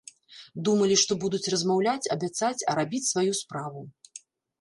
Думалі, што будуць размаўляць, абяцаць, а рабіць сваю справу.